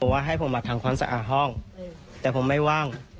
ว่าให้ผมมาถังความสะอ้างห้องโดยผมไม่ว่าง